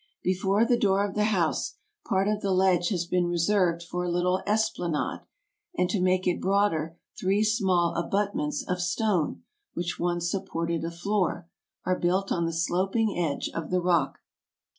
Before the door of the house, part of the ledge has been reserved for a little esplanade, and to make it broader three small abutments of stone, which once supported a floor, are built on the sloping edge of the rock.